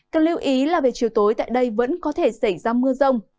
cần lưu ý là về chiều tối tại đây vẫn có thể xảy ra mưa rông